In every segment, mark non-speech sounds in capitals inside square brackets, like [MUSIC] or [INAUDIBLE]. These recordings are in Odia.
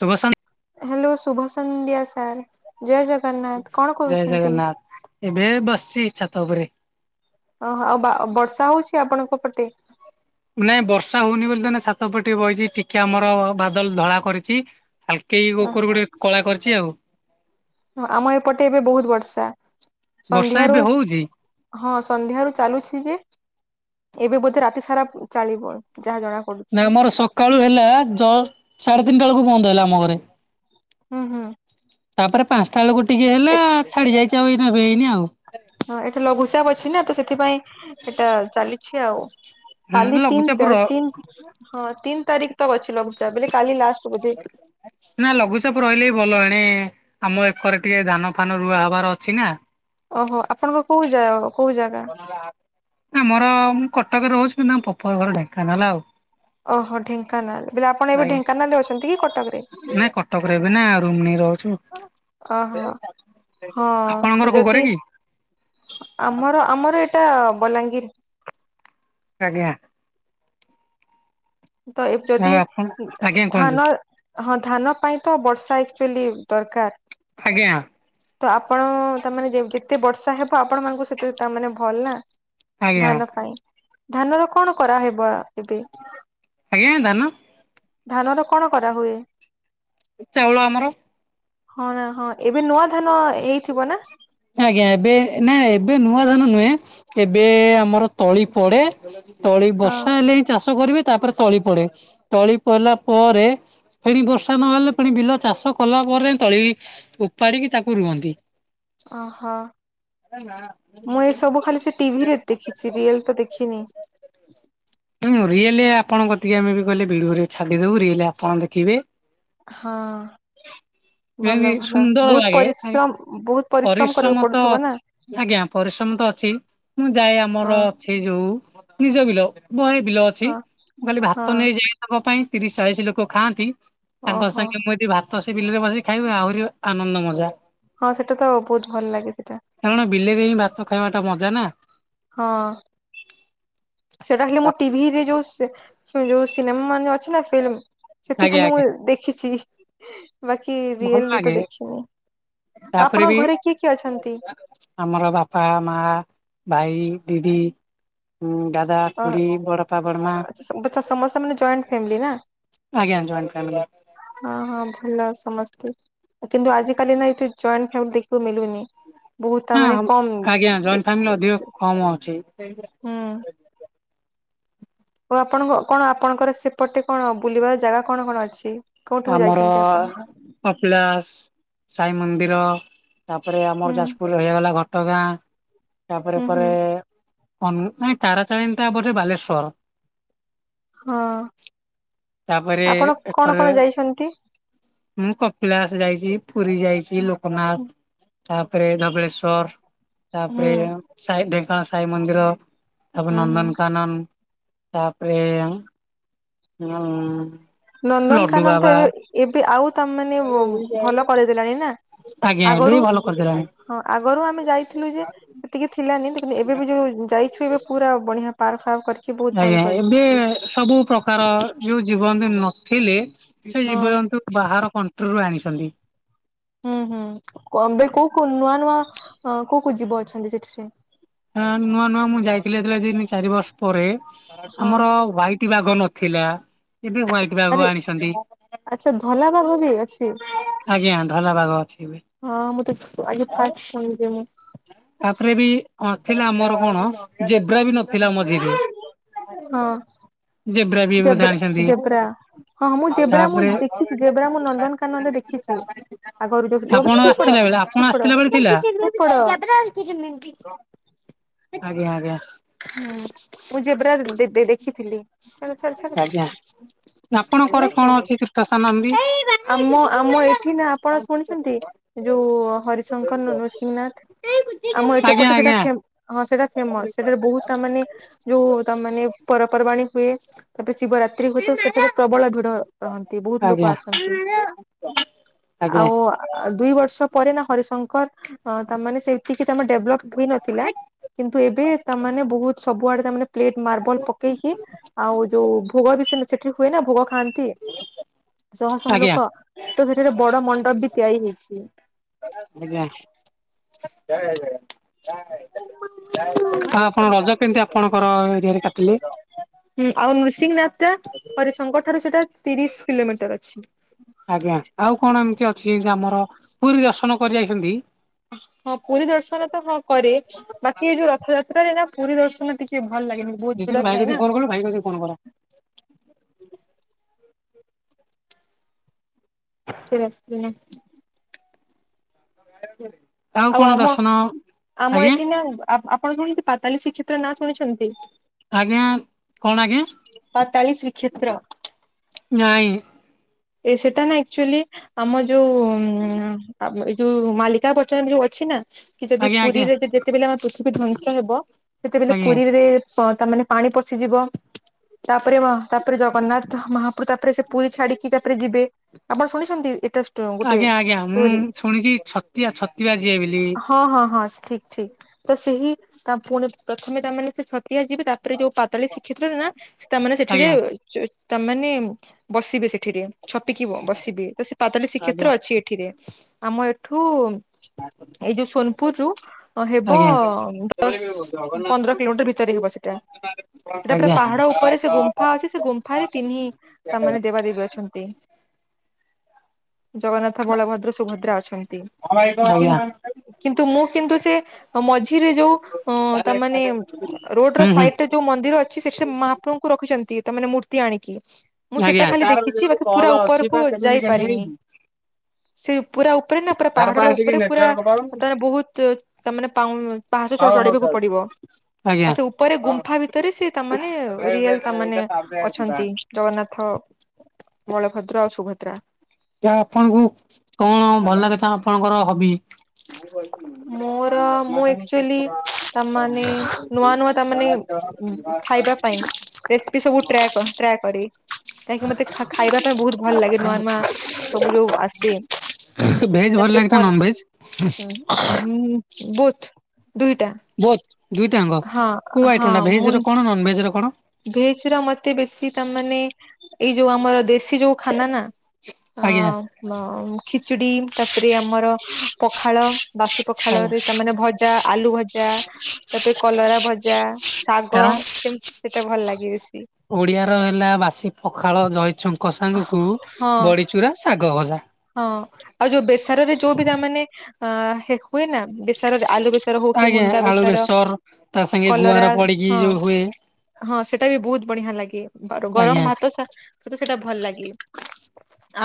ଶୁଭ ସ ହାଲୋ ଶୁଭ ସନ୍ଧ୍ୟା ସାର୍ ଜୟ ଜଗନ୍ନାଥ କଣ ଜୟ କରୁଛନ୍ତି? ଜଗନ୍ନାଥ। ଏବେ ବସିଛି ଛାତ ଉପରେ। ଓ ଆଉ ବର୍ଷା ହଉଛି ଆପଣଙ୍କ ପଟେ। ନାଇଁ ବର୍ଷା ହଉନି ବୋଲି ତ ଏଇନା ଛାତ ଉପରେ ଟିକେ ବଇଚି ଟିକେ ଆମର ବାଦଲ ଧଳା କରିଚି। ହାଲକେଇ କଉକରୁ ଟିକେ କଳା କରିଚି ଆଉ। ହଁ ଆମ ଏପଟେ ଏବେ ବହୁତ ବର୍ଷା ବର୍ଷା ସନ୍ଧ୍ୟାରୁ ଏବେ ହଉଚି? ହଁ ସନ୍ଧ୍ୟାରୁ ଚାଲୁଛି ଯେ ଏବେ ବୋଧେ ରାତି ସାରା ଚାଳିବ ଯାହା ଜଣା ପଡୁଛି। ନା ଆମର ସକାଳୁ ହେଲା ଜସ ସାଢେ ତିନିଟା ବେଳକୁ ବନ୍ଦ ହେଲା ଆମ ଘରେ। ହୁଁ ହୁଁ। ତାପରେ ପାଞ୍ଚଟା ବେଳକୁ ଟିକେ ହେଲା ଛାଡି ଯାଇଛି ଆଉ ଏଇ ନା ହେଇନି ଆଉ। ହଁ ଏଠି ଲଘୁଚାପ ଅଛି ନା ତ ସେଥିପାଇଁ ଏଇଟା ଚାଲିଛି ଆଉ। ହୁଁ କାଲି ଲଘୁଚାପ ତିନି ର ତିନି ହଁ ତିନି ତାରିଖ ତ ଅଛି ଲଘୁଚାପ ଅଛି କାଲି ଲାଷ୍ଟ। ବୋଧେ। କ ନା ଲଘୁଚାପ ରହିଲେ ହି ଭଲ ଏଣେ ଆମ ଏକରେ ଟିକେ ଧାନ ଫାନ ରୁଆ ହବାର ଅଛି ନା। ଓହୋ ଆପଣଙ୍କ କୋଉ ଜାଗା କୋଉ ଜାଗା। ଆମର ମୁଁ କଟକରେ ରହୁଛି କିନ୍ତୁ ଆମ ପପର ଘର ଡେଙ୍କାନାଳ ଆଉ। ଓହୋ ଢେଙ୍କାନାଳ ବୋଲେ ଆପଣ ଏବେ ଢେଙ୍କାନାଳ ଅଛନ୍ତି କି କଟକରେ? ନାଇଁ କଟକରେ ଏବେ ନା ରୁମ ନେଇ ରହୁଛୁ। ଓହୋ ଆପଣଙ୍କର ହଁ କୋଉ ଘରେ ଯଦି କି? ଆମର ଆମର ଏଇଟା ବଲାଙ୍ଗୀର୍। ଆଜ୍ଞା। ତ ଏ ଆଉ ଯଦି ଆପଣ ଆଜ୍ଞା କୁହନ୍ତୁ ଧାନ ହଁ ଧାନ ପାଇଁ ତ ବର୍ଷା ଆକ୍ଚୁଆଲି ଦରକାର। ଆଜ୍ଞା। ତ ଆପଣ ତା ମାନେ ଯେତେ ବର୍ଷା ହେବ ଆପଣ ମାନଙ୍କୁ ସେଥିପାଇଁ ତାମାନେ ଭଲ ନା ଆଜ୍ଞା ଧାନ ପାଇଁ ଧାନର କଣ କରାହବ ଏବେ। ଆଜ୍ଞା ଧାନ। ଧାନର କଣ କରାହୁଏ। ଚାଉଳ ଆମର। ହଁ ହଁ ଏବେ ନୂଆ ଧାନ ହେଇଥିବ ନା। ଆଜ୍ଞା ଏବେ ନାଇ ଏବେ ନୂଆ ଧାନ ନୁହେଁ ଏବେ ଆମର ତଳି ପଡେ। ତଳି ହଁ ବର୍ଷା ହେଲେ ହିଁ ଚାଷ କରିବେ ତାପରେ ତଳି ପଡେ ତଳି ପଡିଲା ପରେ ଫେଣି ବର୍ଷା ନହେଲେ ପୁଣି ବିଲ ଚାଷ କଲା ପରେ ତଳି ଉପାଡ଼ିକି ତାକୁ ରୁଅନ୍ତି। ଓହୋ। ମୁଁ ଏସବୁ ଖାଲି ସେ ଟିଭିରେ ଦେଖିଛି ରିଏଲ୍ ତ ଦେଖିନି। ରିଏଲି ଆପଣ କତିକି ଆମେ ବି କହିଲେ ଭିଡିଓରେ ଛାଡିଦବୁ ରିଏଲି ଆପଣ ଦେଖିବେ। ହଁ ଯେମିତି ଭଲ ଭଲ ସୁନ୍ଦର ବହୁତ ଲାଗେ ଆଜ୍ଞା ପରିଶ୍ରମ ବହୁତ କରିବାକୁ ପରିଶ୍ରମ ତ ପଡୁଥିବ ନା। ଅଛି ଆଜ୍ଞା ପରିଶ୍ରମ ତ ଅଛି ମୁଁ ଯାଏ ହଁ ଆମର ସେ ଯୋଉ ନିଜ ବିଲ ବହେ ବିଲ ଅଛି ହଁ ମୁଁ କାଲି ହଁ ଭାତ ନେଇଯାଏ। ତାଙ୍କ ପାଇଁ ତିରିଶି ଚାଳିଶି ଲୋକ ଖାଆନ୍ତି ତାଙ୍କ ଓହୋ ସାଙ୍ଗେ ମୁଁ ବି ଭାତ ତ ସେ ବିଲରେ ବସିକି ଖାଇବି ଆହୁରି ଆନନ୍ଦ ମଜା। ହଁ ସେଟା ତ ବହୁତ୍ ଭଲ ଲାଗେ ସେଇଟା। କାରଣ ବିଲରେ ହିଁ ଭାତ ଖାଇବା ଟା ମଜା ନା। ହଁ। ସେଟା ହେଲେ ମୁଁ ଟିଭିରେ ଯୋଉ ଯୋଉ ସିନେମା ମାନେ ଅଛି ନା ଫିଲ୍ମ। ସେଠି ଆଜ୍ଞା ଖାଲି ଆଜ୍ଞା ମୁଁ ଦେଖିଛି। ବାକି ଭଲ ରିଏଲ୍ ରେ ତ ମୁଁ ଲାଗେ ଦେଖିନି, ତାପରେ ବି ଆପଣଙ୍କ ଘରେ କିଏ କିଏ ଅଛନ୍ତି? ଆମର ବାପା ମା ଭାଇ ଦିଦି ଉଁ ଦାଦା ଅ ଖୁଡ଼ି ବଡ ବାପା ବଡ଼ମା ଆଚ୍ଛା ସମସ୍ତେ ମାନେ ଜଏଣ୍ଟ ଫ୍ୟାମିଲି ନା ଆଜ୍ଞା ଜଏଣ୍ଟ ଫାମିଲି। ହଁ ହଁ ଭଲ ସମସ୍ତେ। କିନ୍ତୁ ଆଜିିକାଲି ନା ଏ ଜଏଣ୍ଟ ଫାମିଲି ଦେଖିବାକୁ ମିଳୁନି। ବହୁତ ତା ମାନେ ହଁ କମ୍ ଆଜ୍ଞା ଜଏଣ୍ଟ ଫ୍ୟାମିଲି ଅଧିକ ଦେଖିଛି। କମ ଅଛି। ଓ ଆପଣଙ୍କ କଣ ଆପଣଙ୍କର ସେପଟେ କଣ ବୁଲିବାର ଜାଗା କଣ କଣ ଅଛି। କୋଉଠିକୁ ଆମର ଯାଇଛନ୍ତି ଆପଣ? କପିଳାସ ସାଇ ମନ୍ଦିର। ତାପରେ ଆମର ହୁଁ ଯାଜପୁରରେ ରହିଗଲା ଘଟଗାଁ ତାପରେ ହୁଁ ହୁଁ ପରେ ନାଇ ତାରା ତାରିଣୀ ଟା ବୋଧେ ବାଲେଶ୍ଵର ହଁ ତାପରେ ଆପଣ କଣ ଏକ କଣ ରେ ଯାଇଛନ୍ତି? ମୁଁ କପିଳାସ ଯାଇଛି ପୁରୀ ଯାଇଛି ହୁଁ ଲୋକନାଥ ତାପରେ ଧବଳେଶ୍ଵର ତାପରେ ହୁଁ ଇ ଢେଙ୍କାନାଳ ସାହି ମନ୍ଦିର ତାପରେ ହୁଁ ନନ୍ଦନକାନନ ତାପରେ ଲଡୁ ନନ୍ଦନକାନନ ତ ବାବା ଏବେ ଏବେ ଆଉ ତା ମାନେ ଭଲ କରିଦେଲାଣି ନା ଆଜ୍ଞା ଏବେ ଆଗରୁ ଭଲ କରିଦେଲାଣି। ହଁ ଆଗରୁ ଆମେ ଯାଇଥିଲୁ ଯେ ସେତିକି ଥିଲାନି ଦେଖନ୍ତୁ ଏବେ ବି ଯୋଉ ଯାଇଛୁ ଏବେ ପୁରା ବଢିଆ ପାର୍କ ଫାର୍କ କରିକି ବହୁତ ଆଜ୍ଞା ଭଲ୍ ଏବେ ସବୁ ପ୍ରକାର କରିଦେଇଛି। ଯୋଉ ଜୀବଜନ୍ତୁ ନଥିଲେ ସେ ହଁ ଜୀବଜନ୍ତୁ ବାହାର କଣ୍ଟ୍ରିରୁୁ ଆଣିଛନ୍ତି। ହୁଁ ହୁଁ କବେ କୋଉ କୋଉ ନୂଆ ନୂଆ ଆ କୋଉ କୋଉ ଯୀବ ଅଛନ୍ତି ସେଠି ରେ? ନୂଆ ନୂଆ ମୁଁ ଯାଇଥିଲି ଏଥିଲା ଦି ଚାରି ବର୍ଷ ପରେ ହଁ ଆମର ୱାଇଟ ଟି ବାଘ ନଥିଲା ଏବେ ହ୍ୱାଇଟ ଆରେ ବାଘ ଆଣିଛନ୍ତି। ଆଚ୍ଛା ଧଲା ବାଘ ବି ଅଛି। ଆଜ୍ଞା ଧଲା ବାଗ ଅଛି ବି। ହଁ ମୁଁ ତ ଆଜି ଫାଷ୍ଟ ଶୁଣିଛି ମୁଁ। ତାପରେ ବି ଅଥିଲା ଆମର କଣ ଜେଗ୍ରା ବି ନଥିଲା ମଝିରେ। ହଁ ଜେବ୍ରା ବି ବୋଧେ ଜେବ୍ରା ଆଣିଛନ୍ତି। ଜେବ୍ରା। ହଁ ମୁଁ ଯେବ୍ରା ମୁଁ ତାପରେ ଦେଖିଛି ଜେବ୍ରା ମୁଁ ନନ୍ଦନକାନନ ଦେଖିଛି ଆଗରୁ ଯ। ଆପଣ ଆସିଥିଲା [UNINTELLIGIBLE] ଟୁପଡ ବେଳେ ଆପଣ ଟୁପଡ ଆସିଥିଲା ବେଳେ ଥିଲା? ଆଜ୍ଞା ଆଜ୍ଞା। ହୁଁ ମୁଁ ଯେବ୍ରା ଦେ ଦେଖିଥିଲି। ଛାଡ ଛାଡ ଛାଡ ଆଜ୍ଞା। ଆପଣଙ୍କର ନାଇଁ କଣ ଶୁ ଅଛି ତୀର୍ଥ ସ୍ଥାନ ଏମିତି? ଆମ ଆମ ଏଠି ନା ଆପଣ ଶୁଣିଛନ୍ତି? ଏ ଯୋଉ ହରିଶଙ୍କର ନ ନୃସିଂନାଥ ଆମ ଏପ ଆଜ୍ଞା ସେପଟେ ସେଟା ଆଜ୍ଞା ହଁ ସେଇଟା ଫେମସ ସେଟାରେ ବହୁତ ତା ମାନେ ଯୋଉ ତାମାନେ ପର୍ବ ପର୍ବାଣୀ ହୁଏ ତାପରେ ଶିବରାତ୍ରି ହୁଏ ତ ସେଠରେ ପ୍ରବଳ ଭିଡ ରହନ୍ତି ବହୁତ ଲୋକ ଆଜ୍ଞା ଆସନ୍ତି। ଆଜ୍ଞା। ଆଉ ଆ ଆ ଦୁଇ ବର୍ଷ ପରେ ନା ହରିଶଙ୍କର ଅ ତାମାନେ ସେଇ ଏତିକି ତମେ ଡେଭଲପ୍ ହେଇନଥିଲା କିନ୍ତୁ ଏବେ ତାମାନେ ବହୁତ ସବୁଆଡେ ତାମାନେ ପ୍ଲେଟ ମାର୍ବଲ ପକେଇକି ଆଉ ଯୋଉ ଭୋଗ ବି ସେ ସେଠି ହୁଏ ନା ଭୋଗ ଖାଆନ୍ତି। ଶହ ଶହ ଆଜ୍ଞା ଲୋକ ତ ସେଠାରେ ବଡ ମଣ୍ଡପ ବି ତିଆରି ହେଇଛି। ଆଜ୍ଞା। ଆଉ ଆପଣ ରଜ କେମତି ଆପଣଙ୍କର ଏରିଆରେ କାଟିଲେ? ହୁଁ ଆଉ ନୃସିଂହନାଥ ଟା ହରିଶଙ୍କର ଠାରୁ ସେଟା ତିରିଶ କିଲୋମିଟର ଅଛି। ଆଜ୍ଞା ଆଉ କଣ ଏମିତି ଅଛି ଯେ ଆମର ପୁରୀ ଦର୍ଶନ କରି ଯାଇଛନ୍ତି? ହଁ ପୁରୀ ଦର୍ଶନ ତ ହଁ କରେ। ବାକି ଏଇ ଯୋଉ ରଥଯାତ୍ରାରେ ନା ପୁରୀ ଦର୍ଶନ ଟିକେ ଭଲ ଲାଗେନି ବହୁତ ଭିଡ ଥାଏ ନା। ପାଇଗଲେ କଣ କର? [UNINTELLIGIBLE] ଆଉ କଣ ଦର୍ଶନ ଆଜ୍ଞା? ଆପ ଆପଣ ଶୁଣିଚନ୍ତି ପାତାଲି ଶ୍ରୀକ୍ଷେତ୍ର ନାଁ ଶୁଣିଛନ୍ତି? ଆଜ୍ଞା କଣ ଆଜ୍ଞା? ପାତାଳି ଶ୍ରୀକ୍ଷେତ୍ର। ନାଇଁ। ଏ ସେଟା ନା ଆକ୍ଚୁଆଲି ଆମ ଯୋଉ ଉଁ ଏ ଯୋଉ ମାଲିକା ବଚନ ରେ ଯୋଉ ଅଛି ନା କି ଯଦି ଆଜ୍ଞା ଆଜ୍ଞା ପୁରୀରେ ଯେତେବେଲେ ଆମର ପୃଥିବୀ ଧ୍ୱଂସ ହେବ ସେତେବେଲେ ଆଜ୍ଞା ପୁରୀରେ ହଁ ତାମାନେ ପାଣି ପଶିଯିବ ତାପରେ ମା ତାପରେ ଜଗନ୍ନାଥ ମହା ପୁର ତାପରେ ସେ ପୁରୀ ଛାଡିକି ତାପରେ ଯିବେ ଆପଣ ଶୁଣିଛନ୍ତି ଏଟା ଗୋଟେ ଷ୍ଟୋରି। ଶୁଣିଚି ଛ ତିଆ ଛତିବା ଯିଏ ବୋଲିି। ହଁ ହଁ ହଁ ଠିକ୍ ଠିକ୍ ତ ସେହି ତା ପୁଣି ପ୍ରଥମେ ତାମାନେ ସେ ଛତିଆ ଯିବେ ତା ତାପରେ ଯୋଉ ପାତାଳ ଶିଖିଥିଲଥିଲେ ନା ସେ ତାମାନେ ସେଠିରେ ଆଜ୍ଞା ତାମାନେ ବସିବେ ସେଠିରେ। ଛପିକି ବସିବେ ତ ସେ ପାତାଲି ଆଜ୍ଞା ଆଜ୍ଞା ଶ୍ରୀକ୍ଷେତ୍ର ଅଛି ଏଠିରେ ଆମ ଏଠୁ ଏଇ ଯୋଉ ସୋନପୁର ରୁ ହେବ ଆଜ୍ଞା ଆଜ୍ଞା ହୁଁ ହୁଁ ଦଶ ପନ୍ଦର କିଲୋମିଟର ଭିତରେ ହେବ ସେଟା ସେଟା ପୁରା ଆଜ୍ଞା ପାହାଡ ଉପରେ ସେ ଗୁମ୍ଫା ଅଛି ସେ ଗୁମ୍ଫା ଆରେ ତିନି ଟା ମାନେ ଦେବାଦେବୀ ଅଛନ୍ତି। ଜଗନ୍ନାଥ ବଳଭଦ୍ର ସୁଭଦ୍ରା ଅଛନ୍ତି। କିନ୍ତୁ କିନ୍ତୁ ମୁଁ କିନ୍ତୁ ସେ ମଝିରେ ଯୋଉ ଅ ତା ମାନେ ରୋଡ ର ସାଇଟ ଯୋଉ ମନ୍ଦିର ଅଛି ସେଠି ମହାପ୍ରଭୁଙ୍କୁ ରଖିଛନ୍ତି ତାମାନେ ମୂର୍ତ୍ତି ଆଣିକି। ଆଜ୍ଞା ତାର କିଛି ବାକି ପୁରା ଉପରକୁ ଯାଇପାରିନି। ସେ ପୁରା ଉପରେ ନା ପୁରା ପାହାଡ ଉପରେ ପୁରା ତାର ବହୁତ ତାମାନେ ପା ପାହାଚ ଚଢିବାକୁ ପଡିବ ଆଜ୍ଞା ଆଉ ସେ ଉପରେ ଗୁମ୍ଫା ଭିତରେ ସେ ତାମାନେ ରିଏଲ ତାମାନେ ଅଛନ୍ତି ଜଗନ୍ନାଥ। ବଳଭଦ୍ର ଆଉ ସୁଭଦ୍ରା। ଯାହା ଆପଣଙ୍କୁ କଣ ଭଲ ଲାଗେ ଆପଣଙ୍କର ହବି ମୋର ମୁଁ ଆକ୍ଚୁଆଲି ତାମାନେ ନୂଆ ନୂଆ ତାମାନେ [UNINTELLIGIBLE] ଖାଇବା ପାଇଁ ରେସିପି ସବୁ ଟ୍ରା ଟ୍ରାଏ କରିବି। କାହିଁକି ମତେ ଖାଇବା ପାଇଁ ବହୁତ ଭଲ ଲାଗେ ନୂଆ ନୂଆ ସବୁ ଯୋଉ ଆସେ ଭେଜ ଭଲ ତାପରେ ଲାଗେ ନା ପନ୍ ନନ ଭେଜ? ବୁଥ୍ ଦୁଇଟା। ବୋଥ୍ ଦୁଇଟା ଆଙ୍କ ହଁ କୋଉ ହଁ ଆଇଟମ ଟା ମୁଁ ଭେଜ ର କଣ ନନ୍ଡଡଡଭେଜ ର କଣ ଭେଜ ର ମତେ ବେଶୀ ତା ମାନେ ଏଇ ଯୋଉ ଆମର ଦେଶୀ ଯୋଉ ଖାନା ନା ଆଜ୍ଞା। ଅ ଖିଚୁଡି ତାପରେ ଆମର ପଖାଳ ବାସି ପଖାଳ ଆଜ୍ଞା। ରେ ତାମାନେ ଭଜା ଆଲୁ ଭଜା ତାପରେ କଲରା ଭଜା। ଶାଗ କାରଣ ସେମିତି ସେଟା ଭଲ ଲାଗେ ବେଶୀ। ଓଡିଆ ର ହେଲା ବାସି ପଖାଳ ଦହିଛୁଙ୍କ ସାଙ୍ଗ କୁ ହଁ ବଡିଚୁରା, ଶାଗ ଭଜା। ହଁ ଆଉ ଯୋଉ ବେସରରେ ଯୋଉ ବି ତାମାନେ ଅ ହୁଏ ନା ବ ଆଲୁ ବେସର ହଉ କି ଆଜ୍ଞା ମୁନଗା ଆଳୁ ବେସର ତା ସାଙ୍ଗେ ଗୁଆଁର କଲରା ପଡିକି ହଁ। ଯୋଉ ହୁଏ ହଁ ସେଟା ବି ବହୁତ ବଢିଆ ଲାଗେ ଗରମ ଆଜ୍ଞା। ଭାତ ତ ସେଇଟା ଭଲ ଲାଗେ।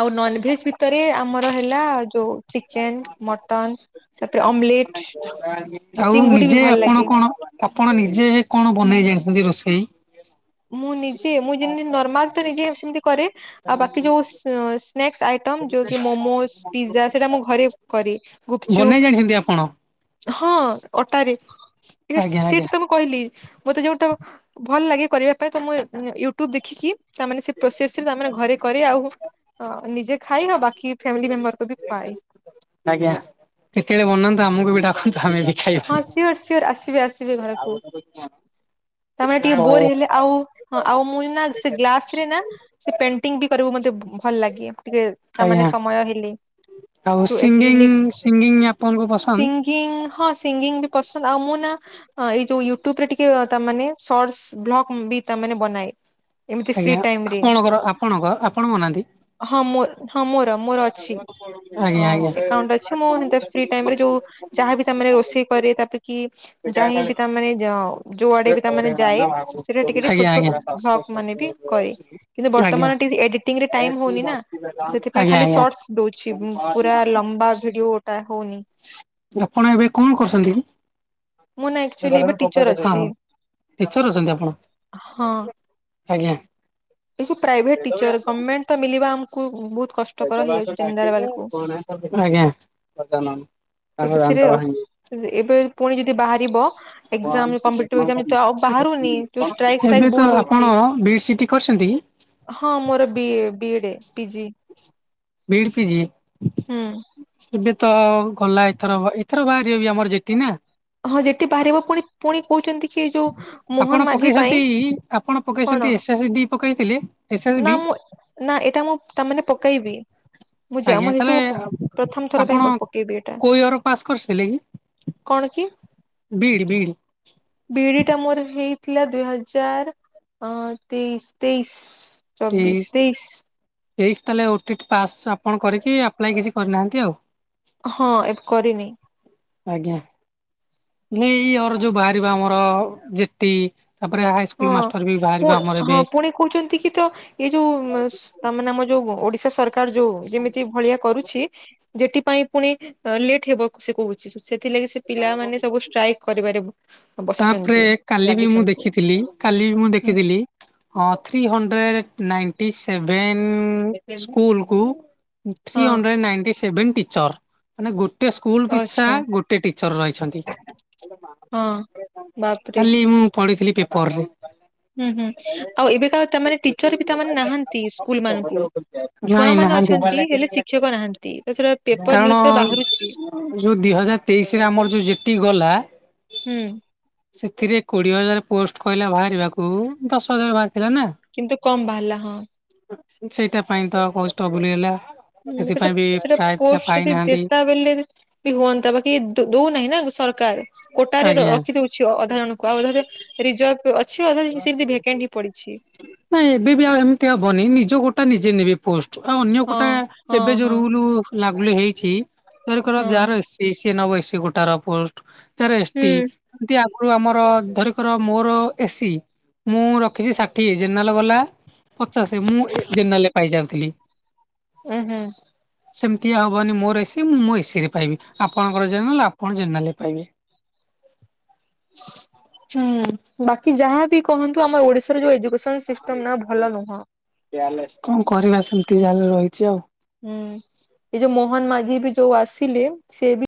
ଆଉ ନନଭେଜ୍ ଭିତରେ ଆମର ହେଲା ଯୋଉ ଚିକେନ, ମଟନ, ତାପରେ ଆମଲେଟ ଆଉ ନିଜେ ଆପଣ କଣ ଆପଣ ନିଜେ କଣ ବନେଇ ଜାଣିଛନ୍ତି ରୋଷେଇ। ମୁଁ ନିଜେ ମୁଁ ଯେମତି ନର୍ମାଲ ତ ନିଜେ ସେମିତି କରେ ଆଉ ବାକି ଯୋଉ ସ୍ ସ୍ନାକ୍ସ ଆଇଟମ୍ ଯଉ ମୋମୋସ, ପିଜ୍ଜା ସେଇଟା ମୁଁ ଘରେ କରେ ବନେଇ ଗୁପଚୁପ୍। ଜାଣିଛନ୍ତି ଆପଣ ହଁ ଅଟାରେ ଆଜ୍ଞା ସେଠି ଆଜ୍ଞା ତମ କହିଲି ମତେ ଯୋଉଟା ଭଲ ଲାଗେ କରିବା ପାଇଁ ତ ମୁଁ ୟୁଟ୍ୟୁବ ଦେଖିକି ତାମାନେ ସେ ପ୍ରୋସେସରେ ତାମାନେ ଘରେ କରେ ଆଉ ନିଜେ ଖାଇ ହବା କି ଫେମିଲି ମେମ୍ବର କୁ ବି ଖୁଆଏ। ଆଜ୍ଞା କେତେବେଳେ ବନାନ୍ତୁ ଆମକୁ ବି ଡାକନ୍ତୁ ଆମେ ବି ହଁ ଖାଇବା। ସିଓର ସିଓର ଆସିବେ ଆସିବେ ଘରକୁ ତାମାନେ ଟିକେ ହଉ ବୋର ହେଲେ ଆଉ ହଁ ଆଉ ମୁଁ ନା ସେ ଗ୍ଲାସ ରେ ନା ସେ ପେଣ୍ଟିଂ ବି କରିବାକୁ ମତେ ଭଲ ଲାଗେ ଟିକେ ତାମାନେ ଆଜ୍ଞା ସମୟ ହେଲି ଆଉ ଯୋଉ ସିଙ୍ଗିଂ ଏକ୍ରିଲିକ୍ ସିଙ୍ଗିଂ ଆପଣଙ୍କୁ ପସନ୍ଦ? ସିଂ ହଁ ସିଙ୍ଗିଙ୍ଗ ବି ପସନ୍ଦ ଆଉ ମୁଁ ନା ଏଇ ଯୋଉ ୟୁଟ୍ୟୁବ ରେ ଟିକେ ତାମାନେ ଶର୍ଟସ ବ୍ଲକ ବି ତା ମାନେ ବନାଏ। ଏମିତି ଫ୍ରି ଆଜ୍ଞା ଟାଇମ ରେ ଆପଣଙ୍କର ଆପଣଙ୍କ ଆପଣ ବନାନ୍ତି? ହଁ ମୋର ହଁ ମୋର ମୋର ଅଛି ଆଜ୍ଞା ହଁ ଆଜ୍ଞା। ଆଜ୍ଞା ଆଜ୍ଞା। ଆଜ୍ଞା। ଆଜ୍ଞା ଆଜ୍ଞା ଆପଣ ଏବେ ଆକାଉଣ୍ଟ କଣ ଅଛି ମୁଁ ହେମିତି କରୁଛନ୍ତି ଫ୍ରୀ କି? ହଁ ଟାଇମ ରେ ଯୋଉ ଯାହା ବି ତାମାନେ ଟିଚର ରୋଷେ ଇ କରିବେ ତାପରେ କି ଯାଇବି ତାମାନେ ଯ ଯୋଉଆଡେ ବି ତାମାନେ ଯାଏ, ସେଟା ଟିକେ ଟିକେ ଛୋଟ ଛୋଟ ଅଛନ୍ତି ଭ୍ଲକ ମାନେ ବି କରେ। କିନ୍ତୁ ବର୍ତ୍ତମାନ ଟିକେ ଏଡିଟିଂ ରେ ଟାଇମ ହଉନି ନା, ତ ସେଥିପାଇଁ ଖାଲି ସର୍ଟସ ଦଉଛି। ପୁରା ଲମ୍ବା ଭିଡିଓ ଟା ହଉନି। ଆପଣ ଏବେ କଣ କରୁଛନ୍ତି କି? ମୁଁ ନା [UNINTELLIGIBLE] ଆକ୍ଚୁଆଲି ଏବେ ହଁ ଟିଚର ଅଛି ଟିଚର ଅଛନ୍ତି ଆପଣ? ହଁ। ଆଜ୍ଞା। ଏ ଯଉ ପ୍ରାଇଭେଟ ଟିଚର ଗଭର୍ଣ୍ଣମେଣ୍ଟ ତ ମଳିବା ଆମକୁ ବହୁତ କଷ୍ଟକର ହେଇଯାଉଛି ଜେନରାଲ୍ ବାଲାକୁ। ଆଜ୍ଞା, ତ ସେଥିରେ [UNINTELLIGIBLE] ଏବେ ପୁଣି ଯଦି ବାହାରିବ, ଏକଜାମ କମ୍ପିଟେଟିଭ ଏକ୍ସାମ୍ ଆଉ ବାହାରୁନି। ଯୋଉ ଷ୍ଟ୍ରାଇକ ଏବେ ଫ୍ରାଇକ ତ ବହୁତ ହଉଛି ଆପଣ ବି ସିଟି କରିଛନ୍ତି କି? ହଁ ମୋର ବି B E D PG. BEd PG. ହୁଁ। ଏବେ ତ ଗଲା ଏଥର, ଏଇଥର ବାହାରିବ ବି ଆମର ଜେଟି ନା? ହଁ ଯେ ବାହାରିବ ପୁଣି, ପୁଣି କହୁଛନ୍ତି କି ଏଇ ଯୋଉ ମୋହନ ଆପଣ ମାଝି ପାଇଁ, ପକେଇଛନ୍ତି କଣ? ମୁଁ କହିଥିଲି ନା ମୁଁ ନା ଏଇଟା ମୁଁ ତାମାନେ ପକେଇବି। ମୁଁ ଯା ଆଜ୍ଞା ମୁଁ ତାହେଲେ ଏସବୁ ପ୍ରଥମ ଥର ଆପଣ ପାଇଁ ପକେଇବି ଏଇଟା। କୋଉ ଇୟର ପାସ୍ କରିଥିଲେ କଣ କି? B E D, B E D. BEd ଟା ମୋର ହେଇଥିଲା ଦୁଇ ହଜାର ଅ ତେଇଶ ତେଇଶି। ଚବିଶ ତେଇଶି। ତେଇଶି ତାହେଲେ ଓଟି ଟି ପାସ୍ ଆପଣ କରିକି ଆପ୍ଲାଏ କିଛି କରିନାହାନ୍ତି ଆଉ। ହଁ ଏବେ କରିନି। ଆଜ୍ଞା, ଏଇ ଇଅର ଯୋଉ ବାହାରିବା ଆମର ଯେଟି ତାପରେ ହା ହଁ ପୁ ହଁ ପୁଣି କହୁଛନ୍ତି କି ତ ଏଇ ଯୋଉ ତାମାନେ ଆମ ଯୋଉ ଓଡିଶା ସରକାର ଯୋଉ ଯେମିତି ଭଳିଆ କରୁଛି ଯେଥିପାଇଁ ପୁଣି ଲେଟ ହେବ ସେ କହୁଛି ସେଥିଲାଗି ସେ ପିଲାମାନେ ସବୁ ଷ୍ଟ୍ରାଇକ୍ କରିବାରେ ତାପରେ ବସିଛନ୍ତି କାଲି ବି ମୁଁ ଲାଗିଛନ୍ତି ଦେଖିଥିଲି, କାଲି ବି ମୁଁ ହୁଁ ଦେଖିଥିଲି ହଁ three hundred ninety seven school କୁ ଥ୍ରୀ ହଁ ହଣ୍ଡ୍ରେଡ ନାଇଣ୍ଟି ସେଭେନ ଟିଚର। ମାନେ ଗୋଟେ ସ୍କୁଲ ପିଛା ଆଚ୍ଛା ଗୋଟେ ଟିଚର ରହିଛନ୍ତି, ହଁ ବାପରେ କାଲି ମୁଁ ପଢିଥିଲି ପେପରରେ। ହୁଁ ହୁଁ, ଆଉ ଏବେକା ତା ମାନେ ଟିଚର ବି ତାମାନେ ନାହାନ୍ତି ସ୍କୁଲ ମାନଙ୍କୁ ଛୁଆ ନାଇଁ ମାନେ ନାହାନ୍ତି ଅଛନ୍ତି, ହେଲେ ଶିକ୍ଷକ ନାହାନ୍ତି, ତା ସେଟା ପେପର କାରଣ ନିଉଜରେ ବାହାରୁଛି ଯୋଉ ଦି ହଜାର ତେଇଶି ରେ ଆମର ଯୋଉ ଜିଟି ଗଲା ହୁଁ। ସେଥିରେ କୋଡିଏ ହଜାର ପୋଷ୍ଟ କହିଲା ବାହାରିବାକୁ, ଦଶ ହଜାର ବାହାରିଥିଲା ନା। କିନ୍ତୁ କମ୍ ବାହାରିଲା ହଁ। ସେଇଟା ପାଇଁ ତ ବହୁତ୍ ଷ୍ଟବୁଲ୍ ହୋଇଗଲା। ହୁଁ, ସେଟା ସେଟା ପୋଷ୍ଟ ଯଦି ଦେତା ବେଲଲେ ବି ହୁଅନ୍ତା ବାକି ଦଉନାହିଁ ନା ସରକାର କୋଟାରେ ଆଜ୍ଞା ରଖି ଦଉଛି ଅଧା ଜଣ ଭାଉଜ ଯେ ରିଜର୍ଭ ଅଛି ଅଧ ସେମତି ଭେକେନି ପଡିଛି। ନାଇଁ ଏବେ ବି ଆଉ ଏମିତି ହବନି, ନିଜ ଗୋଟା ନିଜେ ନେବେ ପୋଷ୍ଟ। ଆଉ ଅନ୍ୟ ହଁ କୋଟା, ହଁ ଏବେ ଯୋଉ ହଁ ରୁଲ ଲାଗୁଲି ହେଇଛି ଧରକ ହଁ ଯାହାର ଏସିିଏ ନ ଏ ସି ଗୋଟାର ପୋଷ୍ଟ, ଯାର ହୁଁ ଏସ୍ଟି ଏମିତି ଆଗରୁ ଆମର, ଧରିକର ମୋର ଏସି, ମୁଁ ରଖିଛି ଷାଠିଏ ଜେନେରାଲ ବାଲା ପଚାଶ, ମୁଁ ଜେନରାଲ ରେ ପାଇସାରିଥିଲି। ଉୁଁ ହୁଁ। ସେମିତି ହବନି ମୋର ଏସିି ମୁଁ ମୋ ଏସି ରେ ପାଇବି ଆପଣଙ୍କର ଜେନେରାଲ ଆପଣ ଜେନେରାଲ ରେ ପାଇବେେ। ହୁଁ ବାକି ଯାହାବି କହନ୍ତୁ ଆମର ଓଡିଶାରେ ଯୋଉ ଏୁଜୁ କଅଁ କରିବା ସେମତି ଜାହା ହେଲେ ରହିଛି ଆଉ। ହୁଁ ଏଇ ଯୋଉ ମୋହନ ମାଝି ବି ଯୋଉ ଆସିଲେ ସେ ବି